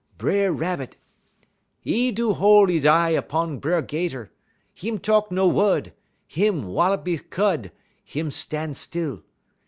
"B'er Rabbit, 'e do hol' 'e y eye 'pon B'er 'Gater. Him talk no wud; him wallup 'e cud; him stan' still.